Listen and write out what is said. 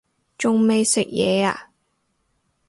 仲未食嘢呀